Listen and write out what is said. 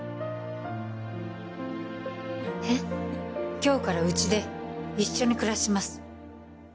今日からうちで一緒に暮らします。